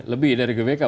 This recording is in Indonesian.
lebih dari gbk